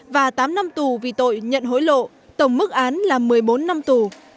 và tám năm tù vì tội nhận hối lộ tổng mức án là một mươi bốn năm tù